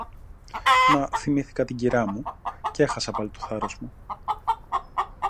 Μα θυμήθηκα την κυρά μου, κι έχασα πάλι το θάρρος μου.